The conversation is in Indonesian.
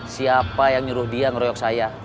siapa yang nyuruh dia ngeroyok saya